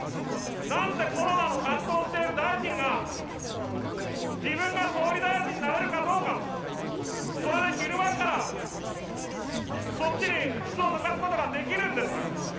なんでコロナを担当している大臣が、自分が総理大臣になれるかどうか、それで昼間っからそっちにうつつを抜かすことができるんですか。